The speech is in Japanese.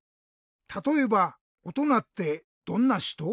たとえばおとなってどんなひと？